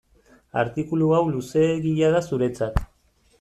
Artikulu hau luzeegia da zuretzat.